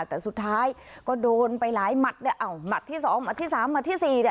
แต่สุดท้ายก็โดนไปหลายหมัดหมัดที่สองหมัดที่สามหมัดที่สี่